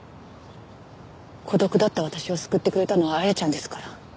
孤独だった私を救ってくれたのは綾ちゃんですから。